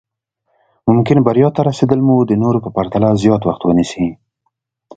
ممکن بريا ته رسېدل مو د نورو په پرتله زیات وخت ونيسي.